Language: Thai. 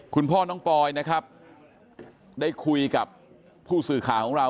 คุณพ่อน้องปอยนะครับได้คุยกับผู้สื่อข่าวของเรา